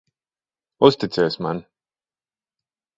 Uzticies man.